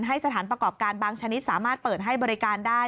สถานประกอบการบางชนิดสามารถเปิดให้บริการได้